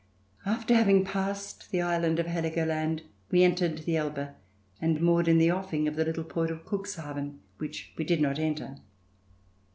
After having passed the island of Heligoland we entered the Elbe and moored in the offing of the little port of Cuxhaven which we did not enter.